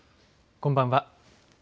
こんばんは。